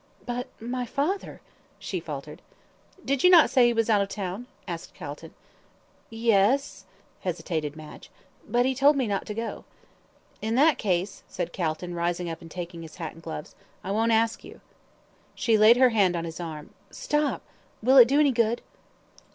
"But my father," she faltered. "Did you not say he was out of town?" asked Calton. "Yes," hesitated Madge. "But he told me not to go." "In that case," said Calton, rising and taking up his hat and gloves, "I won't ask you." She laid her hand on his arm. "Stop! will it do any good?"